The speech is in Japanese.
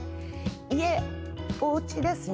いえおうちですね。